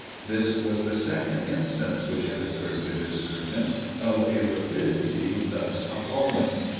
This was the second instance which had occurred to this surgeon of a rapidity thus appalling.